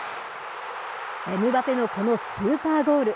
エムバペのこのスーパーゴール。